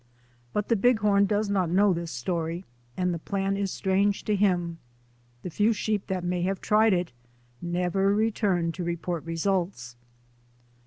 But the Bighorn does not know tins story and the plan is strange to him. The few sheep that may have tried it never returned to report results.